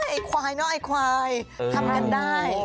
ไอ้ควายเนอะไอ้ควายทำกันได้